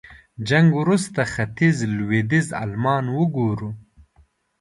جنګ وروسته ختيځ لوېديځ المان وګورو.